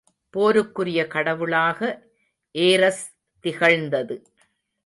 போருக்குரிய கடவுளாக ஏரஸ் திகழ்ந்தது.